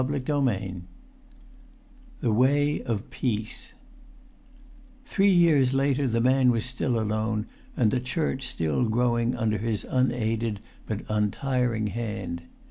[Pg 230] XX THE WAY OF PEACE Three years later the man was still alone, and the church still growing under his unaided but untiring hand.